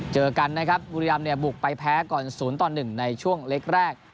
เจอกันนะครับบุรีรำเนี่ยบุกไปแพ้ก่อน๐ต่อ๑ในช่วงเล็กแรก